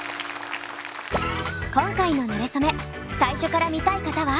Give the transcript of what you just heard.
今回の「なれそめ」最初から見たい方は。